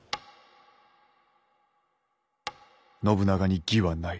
「信長に義はない。